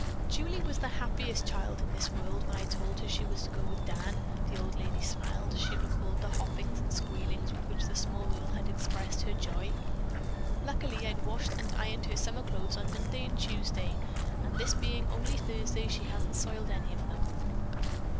"Julie was the happiest child in this world when I told her she was to go with Dan." The old lady smiled as she recalled the hoppings and squealings with which the small girl had expressed her joy. "Luckily I'd washed and ironed her summer clothes on Monday and Tuesday, and this being only Thursday, she hadn't soiled any of them."